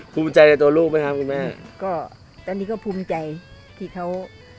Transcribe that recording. ภูมิใจในตัวลูกไหมครับคุณแม่ก็ตอนนี้ก็ภูมิใจที่เขา